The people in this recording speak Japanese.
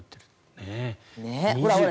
ねえ。